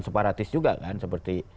separatis juga kan seperti